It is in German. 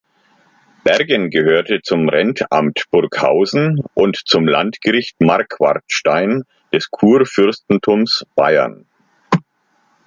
Bergen gehörte zum Rentamt Burghausen und zum Landgericht Marquartstein des Kurfürstentums Bayern.